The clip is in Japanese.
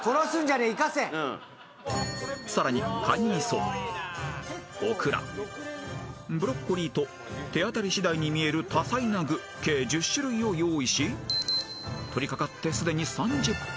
［さらにカニみそオクラブロッコリーと手当たり次第に見える多彩な具計１０種類を用意し取り掛かってすでに３０分］